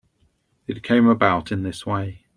It came about in this way.